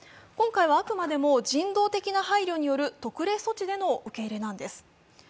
今回はあくまでも人道的な配慮による特例措置での受け入れなんです。